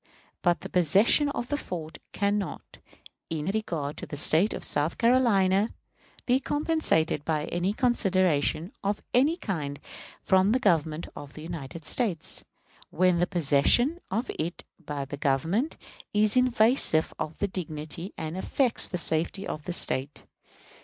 But the possession of the fort can not, in regard to the State of South Carolina, be compensated by any consideration of any kind from the Government of the United States, when the possession of it by the Government is invasive of the dignity and affects the safety of the State.